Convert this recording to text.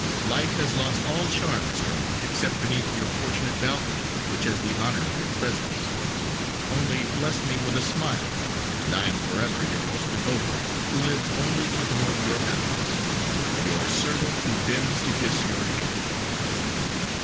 Life has lost all charms for me except beneath your fortunate balcony which has the honor of your presence. Only bless me with a smile and I am forever your most devoted, who lives only to promote your happiness. "YOUR SERVANT WHO BENDS TO KISS YOUR HAND."